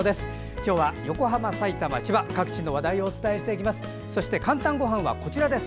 今日は横浜、埼玉、千葉各地の話題をお伝えしていきます。